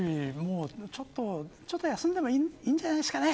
ちょっと休んでもいいんじゃないですかね。